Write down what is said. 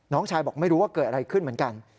น้องชายบอกไม่รู้ว่าเกิดอะไรขึ้นเหมือนกัน